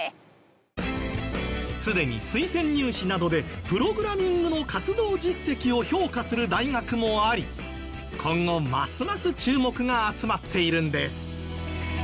すでに推薦入試などでプログラミングの活動実績を評価する大学もあり今後ますます注目が集まっているんです。